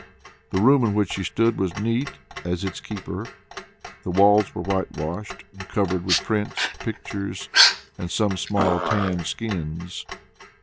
The room in which she stood was neat as its keeper. The walls were whitewashed, and covered with prints, pictures, and some small tanned skins.